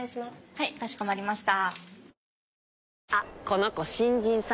はいかしこまりました。